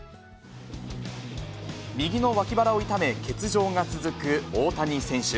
右の脇腹を痛め、欠場が続く大谷選手。